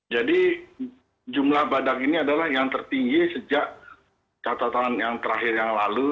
jadi jumlah badak ini adalah yang tertinggi sejak kata kataan yang terakhir yang lalu